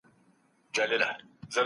سفیران ولي د سولي تړونونه لاسلیک کوي؟